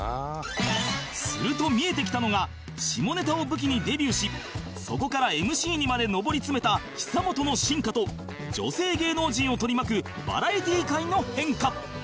すると見えてきたのが下ネタを武器にデビューしそこから ＭＣ にまで上り詰めた久本の進化と女性芸能人を取り巻くバラエティ界の変化